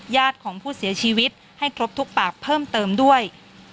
ญาติของผู้เสียชีวิตให้ครบทุกปากเพิ่มเติมด้วย